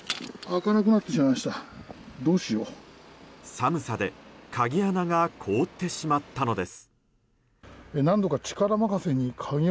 寒さで鍵穴が凍ってしまったのです。